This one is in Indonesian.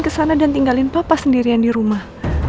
kesana dan tinggalin papa sendirian di rumah